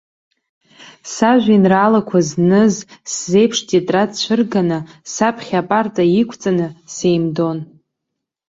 Сажәеинраалақәа зныз сзеиԥш тетрад цәырганы, саԥхьа апарта иқәҵаны, сеимдон.